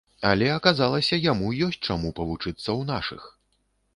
Але аказалася, яму ёсць чаму павучыцца ў нашых.